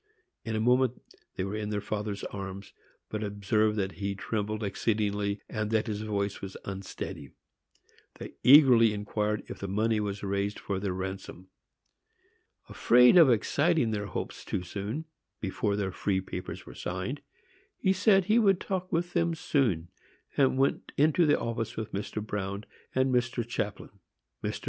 In a moment they were in their father's arms, but observed that he trembled exceedingly, and that his voice was unsteady. They eagerly inquired if the money was raised for their ransom. Afraid of exciting their hopes too soon, before their free papers were signed, he said he would talk with them soon, and went into the office with Mr. Bruin and Mr. Chaplin. Mr.